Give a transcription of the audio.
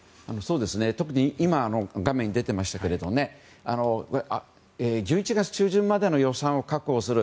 特に今画面に出ていましたが１１月中旬までの予算を確保する